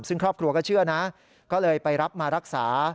ซึ่งครอบครัวก็เชื่อนะก็เลยไปรับมารักษา